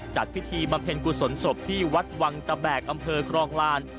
จัดพิธีบำเพ็ญกุศลศพที่วัดวังตะแบกอำเภอครองลาน